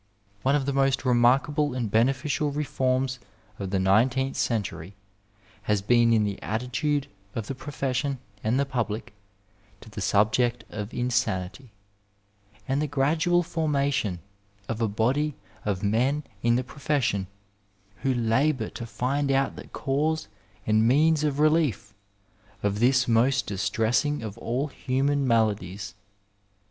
One of the most remarkable and beneficial reforms of the nineteenth century has been in the attitude of the pro fession and the public to the subject of insanity, and the gradual formation of a body of men in the profession who labour to find out the cause and means of relief of this most distressing of all human maladies.